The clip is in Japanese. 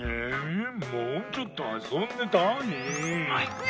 もうちょっとあそんでたい。